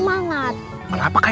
makan kenapa tuh kai